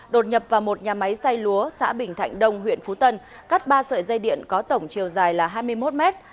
đột nhập vào một nhà máy xay lúa xã bình thạnh đông huyện phú tân cắt ba sợi dây điện có tổng chiều dài là hai mươi một mét